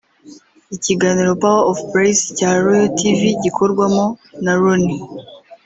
Ikiganiro 'Power of Praise' cya Royal Tv gikorwamo na Ronnie